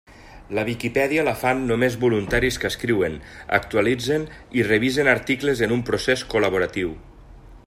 La Viquipèdia la fan només voluntaris que escriuen, actualitzen i revisen articles en un procés col·laboratiu.